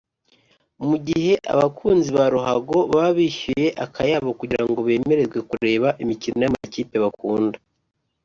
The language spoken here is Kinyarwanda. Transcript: Mu gihe abakunzi ba ruhago baba bishyuye akayabo kugira ngo bemererwe kubera imikino y’amakipe bakunda